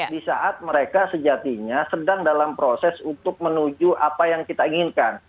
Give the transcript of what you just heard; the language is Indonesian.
di saat mereka sejatinya sedang dalam proses untuk menuju apa yang kita inginkan